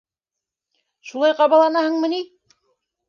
- Шулай ҡабаланаһыңмы ни?